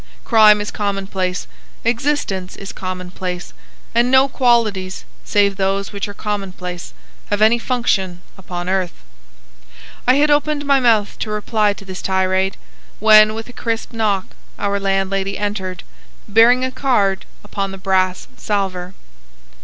Crime is commonplace, existence is commonplace, and no qualities save those which are commonplace have any function upon earth." I had opened my mouth to reply to this tirade, when with a crisp knock our landlady entered, bearing a card upon the brass salver.